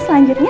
miss lanjut ya